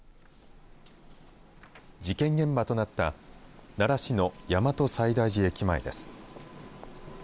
事件現場となった奈良市の大和西大寺駅前です。